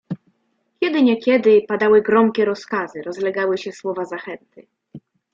"Kiedy niekiedy padały gromkie rozkazy, rozlegały się słowa zachęty."